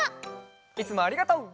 いつもありがとう。